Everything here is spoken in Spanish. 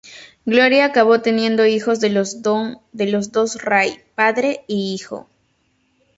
Gloria acabó teniendo hijos de los dos Ray: padre e hijo.